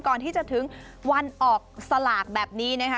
ก่อนที่จะถึงวันออกสลากแบบนี้นะคะ